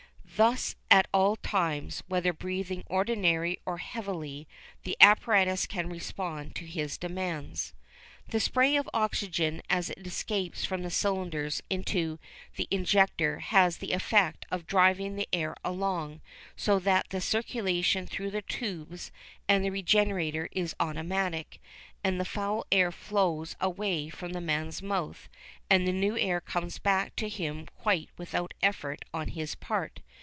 Thus at all times, whether breathing ordinarily or heavily, the apparatus can respond to his demands. The spray of oxygen as it escapes from the cylinders into the injector has the effect of driving the air along, so that the circulation through the tubes and the regenerator is automatic, and the foul air flows away from the man's mouth and the new air comes back to him quite without effort on his part.